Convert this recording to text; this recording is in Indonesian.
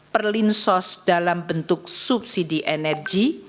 perlinsos dalam bentuk subsidi energi